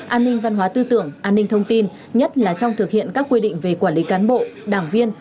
an ninh văn hóa tư tưởng an ninh thông tin nhất là trong thực hiện các quy định về quản lý cán bộ đảng viên